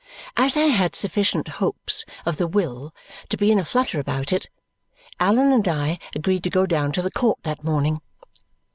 As I had sufficient hopes of the will to be in a flutter about it, Allan and I agreed to go down to the court that morning.